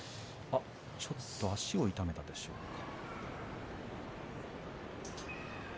ちょっと足を痛めたでしょう。か。